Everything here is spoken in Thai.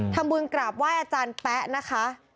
ธรรมยุนกราบว่ายอาจารย์แป๊ะนะคะ